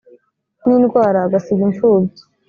n indwara agasiga imfubyi